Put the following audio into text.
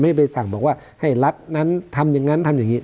ไม่ไปสั่งบอกว่าให้รัฐนั้นทำยังงั้นทำยังงี้